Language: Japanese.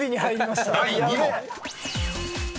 ［第２問］